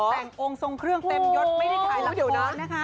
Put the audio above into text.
แต่งองค์ทรงเครื่องเต็มยดไม่ได้ถ่ายลับทอดนะคะ